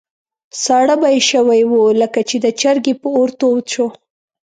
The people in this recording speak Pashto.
ساړه به یې شوي وو، لکه چې د چرګۍ په اور تود شو.